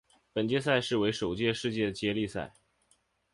本届赛事为首届世界接力赛。